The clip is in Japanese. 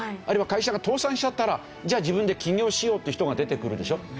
あるいは会社が倒産しちゃったらじゃあ自分で企業しようって人が出てくるでしょ？